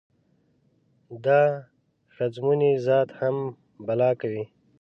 دا ښځمونی ذات هم بلا کوي.